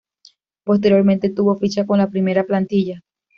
Posteriormente, tuvo ficha con la primera plantilla.